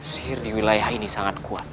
sihir di wilayah ini sangat kuat